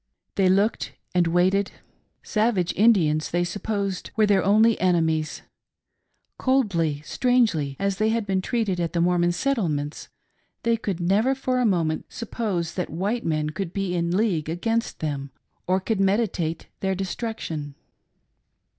They looked and waited. Savage Indians they supposed were their only ene mies. Coldly, strangely as they had been treated at the 332 THE " WHITE INDIANS '':— TREACHEKy*,, Mormon settlements, they never for a moment supposed that white men could be in league against them or could meditate their destruction.